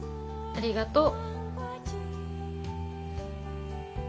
ありがとう。